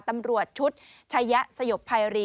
ตำรวจชุดชายะสยบภัยรี